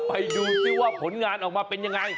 ไปดูซิว่าผลงานออกมาเป็นยังไง